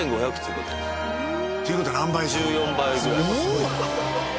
っていうことは何倍ですか？